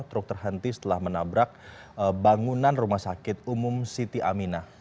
truk terhenti setelah menabrak bangunan rumah sakit umum siti amina